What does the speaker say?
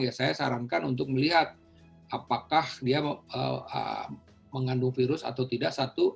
ya saya sarankan untuk melihat apakah dia mengandung virus atau tidak satu